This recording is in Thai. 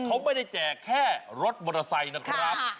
เขาไม่ได้แจกแค่รถมอเตอร์ไซค์นะครับ